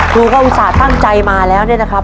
ครูก็อุตส่าห์ตั้งใจมาแล้วเนี่ยนะครับ